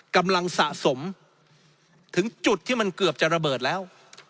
กำลังสะสมถึงจุดที่มันเกือบจะระเบิดแล้ว